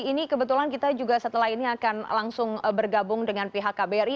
ini kebetulan kita juga setelah ini akan langsung bergabung dengan pihak kbri